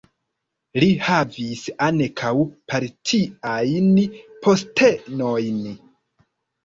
Li havis ankaŭ partiajn postenojn.